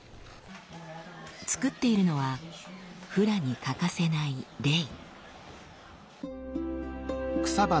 作っているのはフラに欠かせない「レイ」。